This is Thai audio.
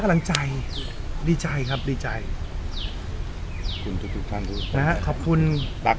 กำลังใจดีใจครับดีใจขอบคุณทุกทุกท่านด้วยนะฮะขอบคุณตัก